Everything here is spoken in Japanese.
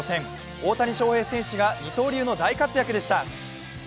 大谷翔平選手が二刀流の大活躍でした。